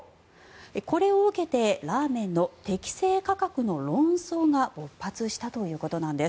これを受けてラーメンの適正価格の論争が勃発したということなんです。